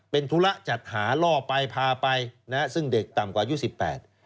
เป็นธุระจัดหาล่อไปพาไปซึ่งเด็กต่ำกว่าอายุ๑๘